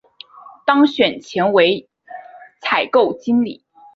当选前为一采购经理。